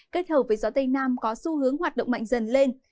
kết hợp với gió tây nam có xu hướng hoạt động mạnh dần lên